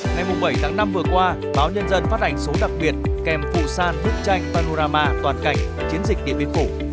ngày bảy tháng năm vừa qua báo nhân dân phát hành số đặc biệt kèm phụ sàn bức tranh panorama toàn cảnh chiến dịch điện biên phủ